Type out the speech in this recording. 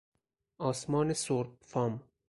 آسمان سرب فام